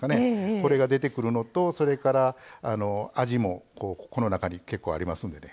これが出てくるのとそれから味もこの中に結構ありますんでね